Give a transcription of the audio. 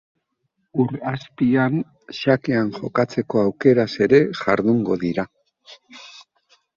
Ur azpian xakean jokatzeko aukeraz ere jardungo dira.